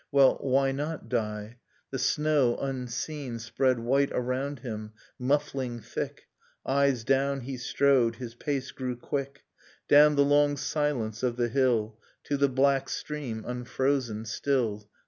Well, why not die? — The snow, unseen, Spread white around him, muffling thick; Eyes down he strode, his pace grew quick, Down the long silence of the hill To the black stream, unfrozen still.